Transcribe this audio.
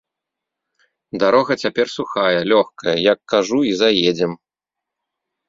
Дарога цяпер сухая, лёгкая, як кажу, і заедзем.